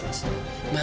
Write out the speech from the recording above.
mas satria punya anak